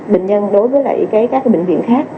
bệnh nhân đối với các bệnh viện khác